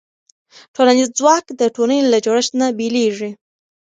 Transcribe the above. ټولنیز ځواک د ټولنې له جوړښت نه بېلېږي.